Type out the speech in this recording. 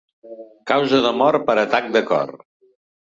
Causa de mort per atac de cor.